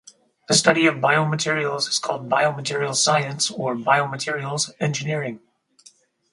The study of biomaterials is called biomaterials science or biomaterials engineering.